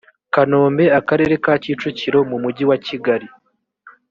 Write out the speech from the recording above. kanombe akarere ka kicukiro mu mujyi wakigali